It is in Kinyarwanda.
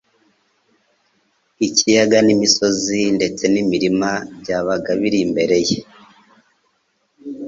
Ikiyaga n'imisozi ndetse n'imirima byabaga biri imbere ye,